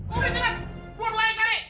udah jembat gue cari cari